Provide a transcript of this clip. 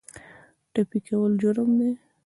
ټپي کول جرم دی.